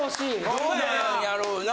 どうなんやろうな？